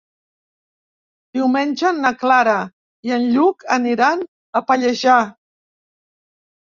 Diumenge na Clara i en Lluc aniran a Pallejà.